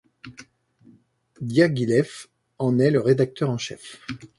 Diaghilev en est le rédacteur en chef.